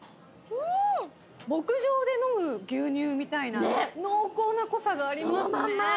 牧場で飲む牛乳みたいな濃厚な濃さがありますね。